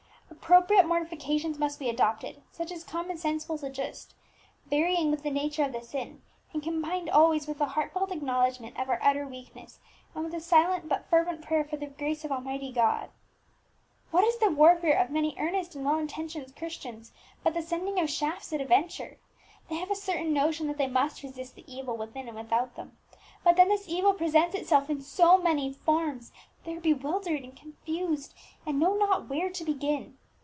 Appropriate mortifications must be adopted, such as common sense will suggest, varying with the nature of the sin, and combined always with a heartfelt acknowledgment of our utter weakness, and with a silent but fervent prayer for the grace of Almighty God.... What is the warfare of many earnest and well intentioned Christians but the sending of shafts at a venture? They have a certain notion that they must resist the evil within and without them; but then this evil presents itself in so many forms that they are bewildered and confused, and know not where to begin....